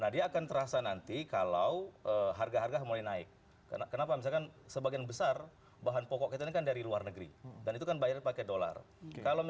nah dia akan terasa nanti kalau harga harga mulai naik kenapa misalkan sebagian besar bahan pokok kita ini kan dari luar negeri dan itu kan bayar pakai dolar